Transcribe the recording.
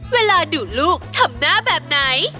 เวลาดูลูกทำหน้าแบบไหน